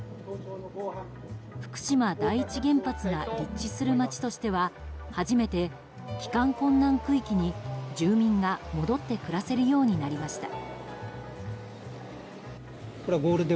福島第一原発が立地する町としては初めて帰還困難区域に住民が戻って暮らせるようになりました。